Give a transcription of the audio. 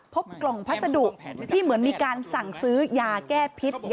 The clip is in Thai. พบกล่องพัสดุที่เหมือนมีการสั่งซื้อยาแก้พิษ